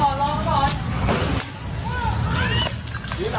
อีร่ารอด